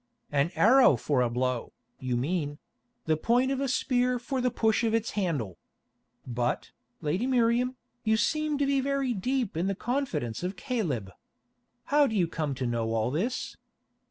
"An arrow for a blow, you mean; the point of a spear for the push of its handle. But, Lady Miriam, you seem to be very deep in the confidence of Caleb. How do you come to know all this?"